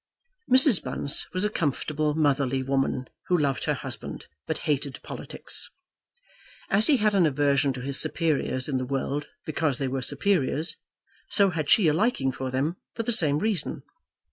Mrs. Bunce was a comfortable motherly woman, who loved her husband but hated politics. As he had an aversion to his superiors in the world because they were superiors, so had she a liking for them for the same reason.